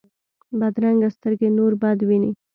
بدرنګه سترګې نور بد ویني